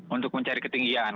untuk mencari ketinggian